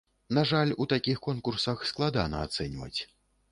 На жаль, у такіх конкурсах складана ацэньваць.